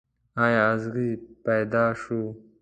ایا اغزی پیدا شو.